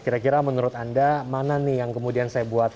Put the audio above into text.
kira kira menurut anda mana nih yang kemudian saya buat